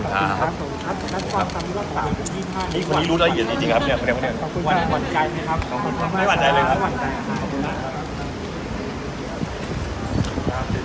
นัดความสำคัญแล้วต่างกัน